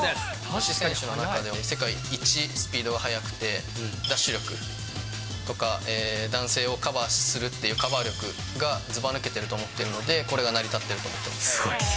女子選手の中では世界一スピードが速くて、ダッシュ力とか男性をカバーするっていうカバー力がずば抜けていると思っているので、これが成り立ってると思ってます。